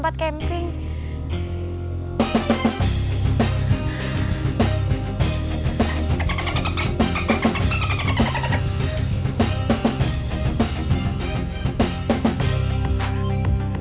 harus kemana ya